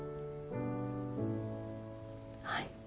はい。